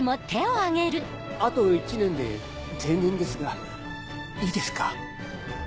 ああと１年で定年ですがいいですか？